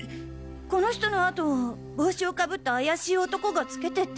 この人の後を帽子をかぶった怪しい男がつけてて。